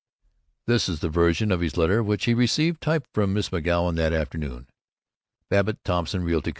This is the version of his letter which he received, typed, from Miss McGoun that afternoon: BABBITT THOMPSON REALTY CO.